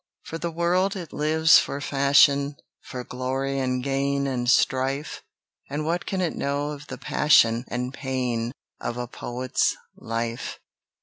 For the world it lives for fashion, For glory, and gain, and strife; And what can it know of the passion And pain of a poet's life?